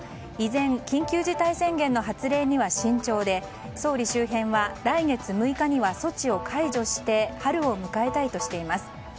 依然、緊急事態宣言の発令には慎重で総理周辺は来月６日には措置を解除して春を迎えたいとしています。